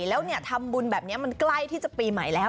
แล้วทำบุญแบบนี้มันใกล้ที่จะปีใหม่แล้ว